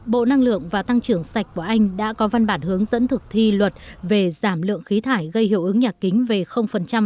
bộ năng lượng và tăng trưởng sạch của anh đã có văn bản hướng dẫn thực thi luật về giảm lượng khí thải gây hiệu ứng nhạc kính về vào năm hai nghìn năm mươi